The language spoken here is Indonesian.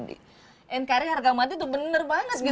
inkari harga mati itu bener banget gitu